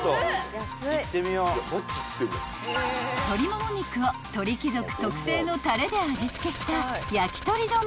［鶏もも肉を鳥貴族特製のたれで味付けした］